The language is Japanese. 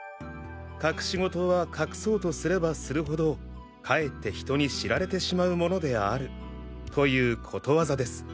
隠し事は隠そうとすればするほどかえって人に知られてしまうものであるということわざです。